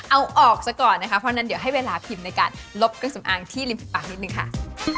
เอาออกซะก่อนนะคะเพราะฉะนั้นเดี๋ยวให้เวลาพิมพ์ในการลบเครื่องสำอางที่ริมฝีปากนิดนึงค่ะ